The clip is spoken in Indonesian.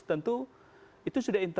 tentu itu sudah intip